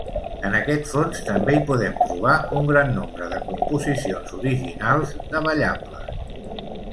En aquest fons també hi podem trobar un gran nombre de composicions originals de ballables.